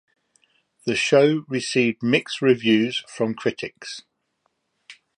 The show received mixed reviews from critics.